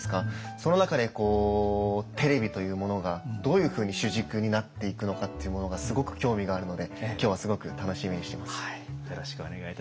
その中でこうテレビというものがどういうふうに主軸になっていくのかっていうものがすごく興味があるので今日はすごく楽しみにしてます。